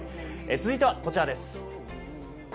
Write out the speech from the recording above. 続いては、こちらです。